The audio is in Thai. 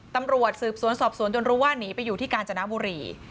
ตำรวจสืบสวนสอบสวนจนรู้ว่าหนีไปอยู่ที่กาญจนบุรี